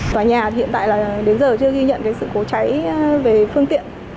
tòa nhà hiện tại đến giờ chưa ghi nhận sự cố cháy về phương tiện